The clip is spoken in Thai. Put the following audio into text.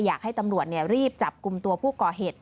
อยากให้ตำรวจรีบจับกลุ่มตัวผู้ก่อเหตุ